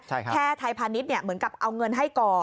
แค่ไทยพาณิชย์เหมือนกับเอาเงินให้ก่อน